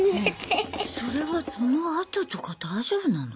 それはそのあととか大丈夫なの？